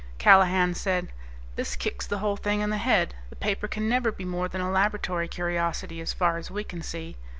Callahan said, "This kicks the whole thing in the head. The paper can never be more than a laboratory curiosity, as far as we can see.